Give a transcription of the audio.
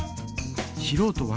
しろうとは？